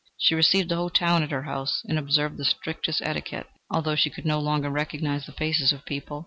She received the whole town at her house, and observed the strictest etiquette, although she could no longer recognise the faces of people.